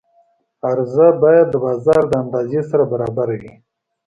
عرضه باید د بازار د اندازې سره برابره وي.